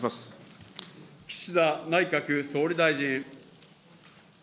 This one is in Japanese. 岸田内閣総理大臣。